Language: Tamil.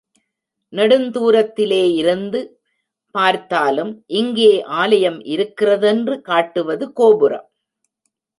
நெடுந்துாரத்திலே இருந்து பார்த்தாலும் இங்கே ஆலயம் இருக்கிறதென்று காட்டுவது கோபுரம்.